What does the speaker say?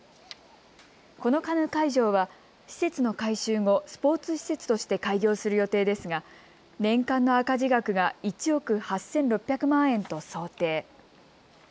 このカヌー会場は施設の改修後、スポーツ施設として開業する予定ですが年間の赤字額が１億８６００万円と想定。